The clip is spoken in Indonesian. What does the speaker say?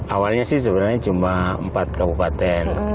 awalnya sih sebenarnya cuma empat kabupaten